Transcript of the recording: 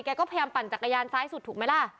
ก็พยายามปั่นจักรยานซ้ายสุดถูกไหมล่ะ